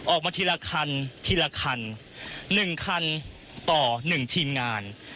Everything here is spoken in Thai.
ออกมาทีละคันทีละคัน๑คันต่อ๑ทีมงาน